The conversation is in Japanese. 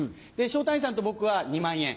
昇太兄さんと僕は２万円。